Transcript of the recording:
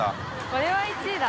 これは一位だ。